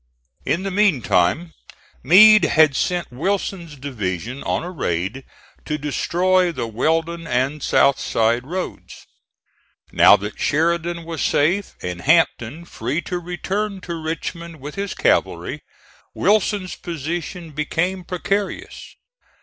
In the meantime Meade had sent Wilson's division on a raid to destroy the Weldon and South Side roads. Now that Sheridan was safe and Hampton free to return to Richmond with his cavalry, Wilson's position became precarious.